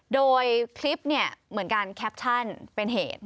โดยคลิปเนี่ยเหมือนการแคปชั่นเป็นเหตุ